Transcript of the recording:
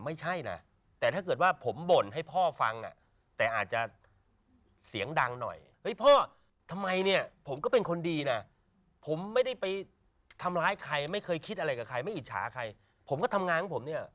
ไม่อิจฉาใครผมก็ทำงานกับผมเนี่ย